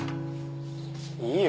いいよ